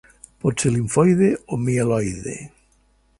Pot ser limfoide o mieloide.